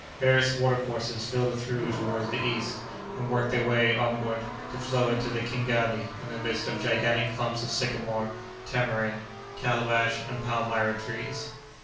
Various water courses filter through, toward the east, and work their way onward to flow into the Kingani, in the midst of gigantic clumps of sycamore, tamarind, calabash, and palmyra trees.